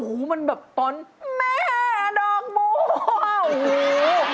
โอ้โฮมันแบบตอนแม่ดอกบัว